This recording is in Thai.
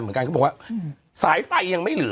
เหมือนกันเขาก็บอกว่า